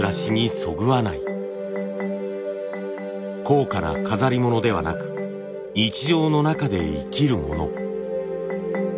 高価な飾り物ではなく日常の中で生きるもの。